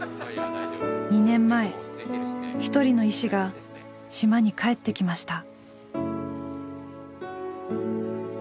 ２年前一人の医師が島に帰ってきました。